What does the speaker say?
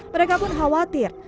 mereka pun khawatir